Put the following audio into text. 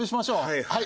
はいはい。